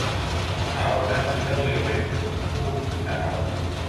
ข่าวนั้นเลื่องลือไปถึงผู้พี่สาว